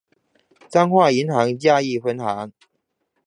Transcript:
彰化銀行嘉義分行